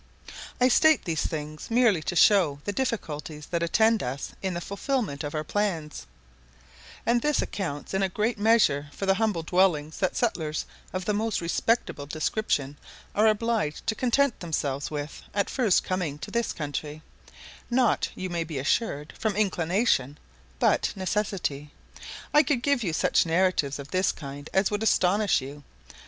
I state these things merely to show the difficulties that attend us in the fulfilment of our plans, and this accounts in a great measure for the humble dwellings that settlers of the most respectable description are obliged to content themselves with at first coming to this country, not, you may be assured, from inclination, but necessity: I could give you such narratives of this kind as would astonish you.